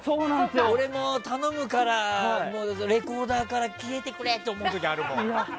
俺も頼むからレコーダーから消えてくれって思う時、あるもん。